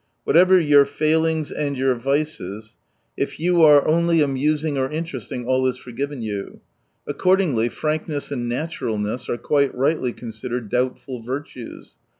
Whatever your failings and your vices, if you are N 193 CMily amusing or interesting all is forgiven you. Accordingly, frankness and natural ness are quite rightly considered doubtful virtues.